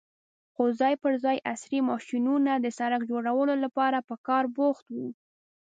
خو ځای پر ځای عصرې ماشينونه د سړک جوړولو لپاره په کار بوخت وو.